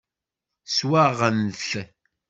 Swaɣen-t.